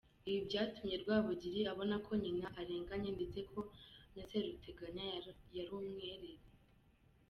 Ibi byatumye Rwabugili abona ko nyina arenganye ndetse ko na Seruteganya yari umwere.